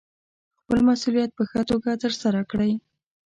خپل مسوولیت په ښه توګه ترسره کړئ.